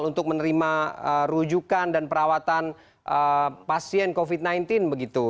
untuk menerima rujukan dan perawatan pasien covid sembilan belas begitu